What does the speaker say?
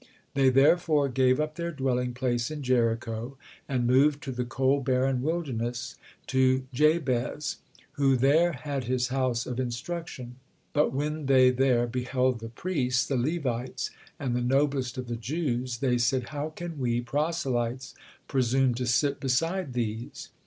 They therefore gave up their dwelling place in Jericho, and moved to the cold barren wilderness, to Jabez, who there had his house of instruction. But when they there beheld the priests, the Levites, and the noblest of the Jews, they said, "How can we, proselytes, presume to sit beside these?"